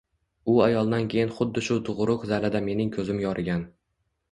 U ayoldan keyin xuddi shu tug`uruq zalida mening ko`zim yorigan